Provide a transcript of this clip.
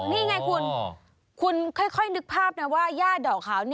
นี่ไงคุณคุณค่อยนึกภาพนะว่าย่าดอกขาว